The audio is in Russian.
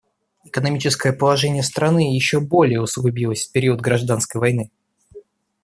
Экономическое положение страны еще более усугубилось в период гражданской войны.